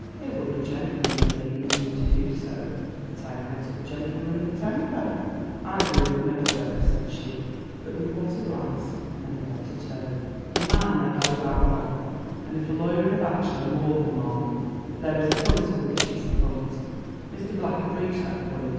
"It would be gentlemanly in you to do so." "But I am not of a gentlemanly temper." "I deal with no other," said she; but with what a glance and in what a tone! A man may hold out long and if a lawyer and a bachelor more than long, but there is a point at which he succumbs. Mr. Black had reached that point.